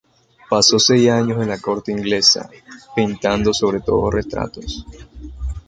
Pasó seis años en la corte inglesa, pintando sobre todo retratos.